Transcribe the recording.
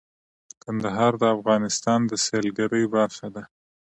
کندهار د افغانستان د سیلګرۍ برخه ده.